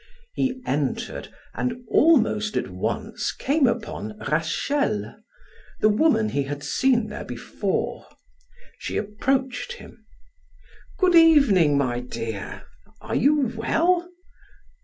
He entered and almost at once came upon Rachel, the woman he had seen there before. She approached him: "Good evening, my dear; are you well?"